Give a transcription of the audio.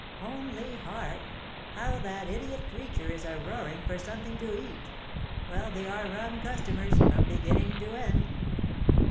Only hark, how that idiot creature is a roaring for something to eat! Well, they are rum customers, from beginning to end!"